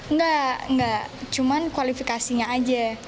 nggak cuma kualifikasinya aja